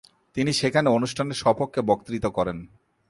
তিনি সেখানে অনুষ্ঠানের সপক্ষে বক্তৃতা করেন।